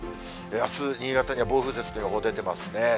あす、新潟には暴風雪の予報出てますね。